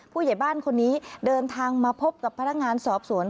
ผู้ใหญ่บ้านคนนี้เดินทางมาพบกับพนักงานสอบสวน